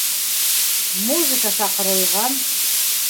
Музыка саҡырылған.